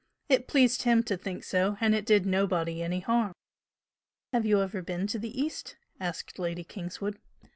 it pleased him to think so and it did nobody any harm!" "Have you ever been to the East?" asked Lady Kingswood.